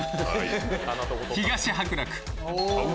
東白楽。